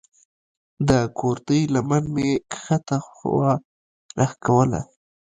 د کورتۍ لمن مې کښته خوا راکښوله.